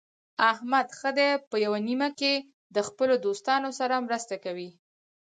احمد ښه دی په یوه نیمه کې د خپلو دوستانو سره مرسته کوي.